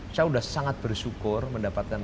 saya sudah sangat bersyukur mendapatkan